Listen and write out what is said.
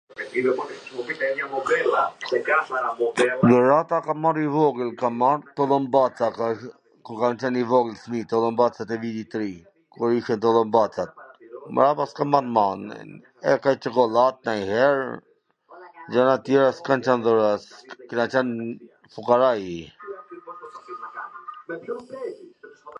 Dhurata kam marr i vogwl, kam marr tullumbaca, kur kam qwn i vogwl, fmi, tillumbacat e Vitit Ri, kur ishin tullumbacat, mrapa s kam marr ma, e ka nj Cokollat kanjher, gja, na tjera s kan qwn dhurat, kena qwn fukaraj.